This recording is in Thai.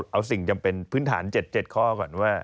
เอาสิ่งจำเป็นพื้นฐาน๗๗ข้อก่อนว่า